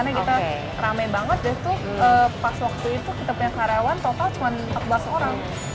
karena itu pas waktu itu kita punya karyawan total cuma empat belas orang